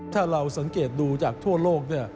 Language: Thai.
ถ้าเราสังเกตดูจากทั่วโลก